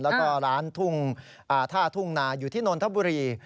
แล้วก็ร้านท่าทุ่งนาอยู่ที่นนทบุรี